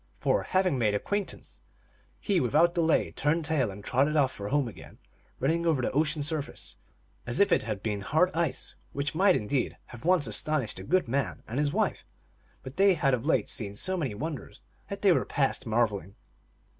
For, having made acquaintance, he without delay turned tail and trotted off for home again, running over the ocean surface as if it had been hard ice ; which might, indeed, have once astonished the good man and his wife, but they had of late days seen so many wonders that they were past marveling.